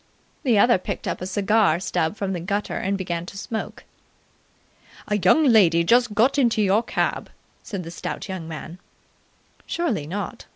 the other picked up a cigar stub from the gutter and began to smoke. "A young lady just got into your cab," said the stout young man. "Surely not?"